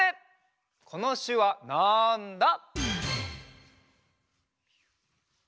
このしゅわなんだ？